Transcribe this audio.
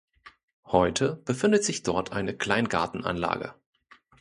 Heute befindet sich dort eine Kleingartenanlage.